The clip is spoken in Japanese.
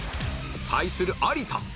対する有田